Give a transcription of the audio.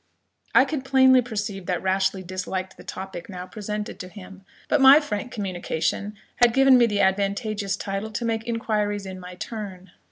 I could plainly perceive that Rashleigh disliked the topic now presented to him; but my frank communication had given me the advantageous title to make inquiries in my turn.